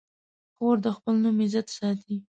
خور د خپل نوم عزت ساتي.